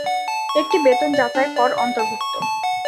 একটি বেতন যাচাই কর অন্তর্ভুক্ত।